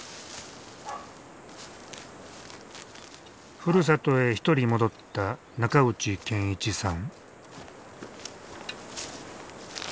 ふるさとへ一人戻った中内健一さん。